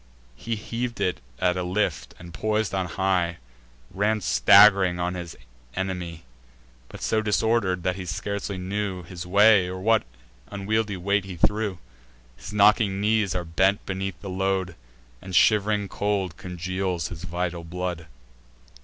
He heav'd it at a lift, and, pois'd on high, Ran stagg'ring on against his enemy, But so disorder'd, that he scarcely knew His way, or what unwieldly weight he threw. His knocking knees are bent beneath the load, And shiv'ring cold congeals his vital blood.